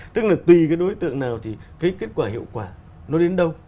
tức là tùy cái đối tượng nào thì cái kết quả hiệu quả nó đến đâu